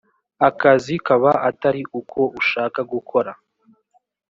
akazi kaba atari ko ushaka gukora